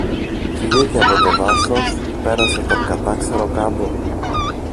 Βγήκε από το δάσος, πέρασε τον κατάξερο κάμπο